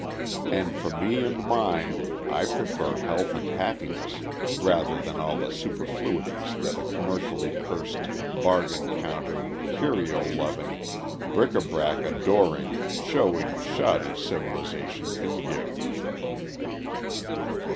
And for me and mine I prefer health and happiness rather than all the superfluities that a commercially cursed, bargain counter, curio loving, bric a brac adoring, showy, shoddy civilization can give.